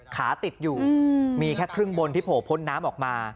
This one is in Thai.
ติดอยู่มีแค่ครึ่งบนที่โผล่พ้นน้ำออกมา